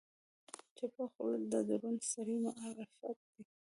چپه خوله، د دروند سړي معرفت دی.